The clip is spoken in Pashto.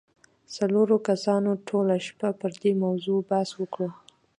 څلورو کسانو ټوله شپه پر دې موضوع بحث وکړ.